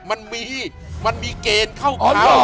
มันมีมันมีเกณฑ์เข้า